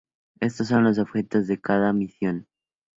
Estos son los objetivos de cada misión.